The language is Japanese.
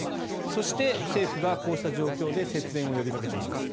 そして、政府がこうした状況で節電を呼びかけています。